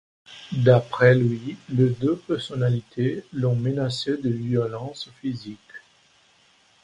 D'après lui, les deux personnalités l'ont menacé de violences physiques.